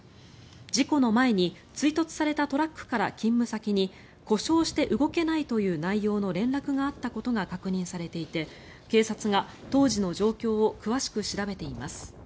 事故の前に追突されたトラックから勤務先に故障して動けないという内容の連絡があったことが確認されていて警察が当時の状況を詳しく調べています。